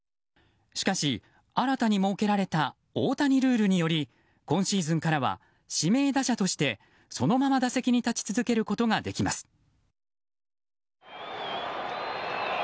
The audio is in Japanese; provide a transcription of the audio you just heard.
しかし、新たに設けられた大谷ルールにより今シーズンからは指名打者としてそのまま打席に立ち続けることができます。